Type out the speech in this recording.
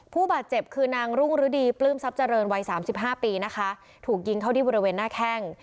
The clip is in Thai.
ผู้บาดเจ็บคือนางรุ่งฤดีปลื้มทรัพย์เจริญวัยสามสิบห้าปีนะคะถูกยิงเข้าที่บริเวณหน้าแข้ง